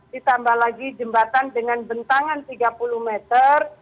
ditambah lagi jembatan dengan bentangan tiga puluh meter